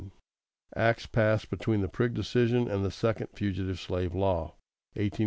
Acts passed between the Prigg decision and the second Fugitive Slave Law (1842 1850).